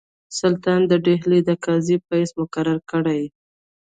سلطان د ډهلي د قاضي په حیث مقرر کړی یې.